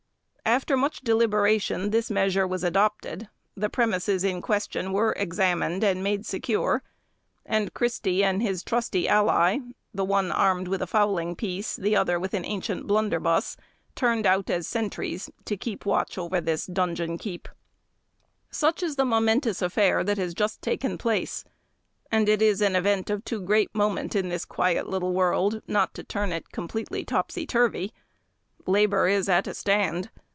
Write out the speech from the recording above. After much deliberation this measure was adopted; the premises in question were examined and made secure, and Christy and his trusty ally, the one armed with a fowling piece, the other with an ancient blunderbuss, turned out as sentries to keep watch over this donjon keep. [Illustration: The Guard] Such is the momentous affair that has just taken place, and it is an event of too great moment in this quiet little world not to turn it completely topsy turvy. Labour is at a stand.